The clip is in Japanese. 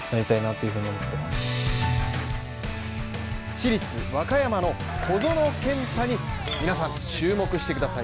市立和歌山の小園健太に皆さん、注目してください。